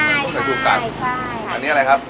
อันนี้อะไรครับ